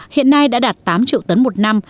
hiện nay đã đạt tám triệu tấn một năm